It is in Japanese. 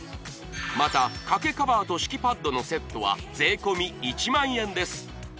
また掛けカバーと敷きパッドのセットは税込１０，０００円です